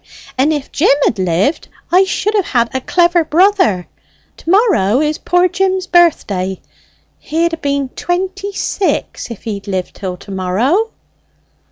And if Jim had lived, I should have had a clever brother! To morrow is poor Jim's birthday. He'd ha' been twenty six if he'd lived till to morrow."